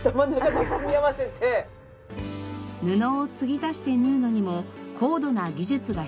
布を継ぎ足して縫うのにも高度な技術が必要です。